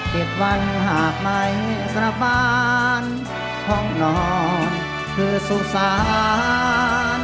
เจ็ดวันหากไม่กลับบ้านห้องนอนคือโสสาน